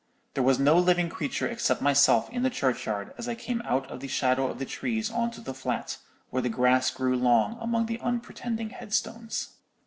"There was no living creature except myself in the churchyard as I came out of the shadow of the trees on to the flat, where the grass grew long among the unpretending headstones.